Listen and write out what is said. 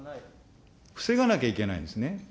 防がなきゃいけないんですね。